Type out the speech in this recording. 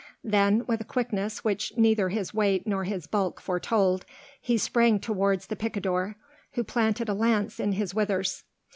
Then with a quickness which neither his weight nor his bulk foretold, he sprang towards the picador, who planted a lance in his withers.